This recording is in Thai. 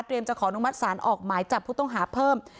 เตรียมจะขอนุกมัดสารออกไหมจับผู้ต้องหาเพิ่ม